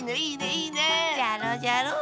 じゃろじゃろ？